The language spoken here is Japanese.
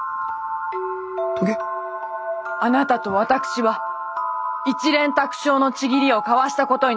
あなたと私は一蓮托生の契りを交わしたことになります。